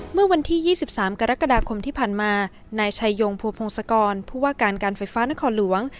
เมื่อวันที่๒๓กรกฎาคมที่ผ่านมานายชัยยงภูพงศกรผู้ว่าการการไฟฟ้านครหลวง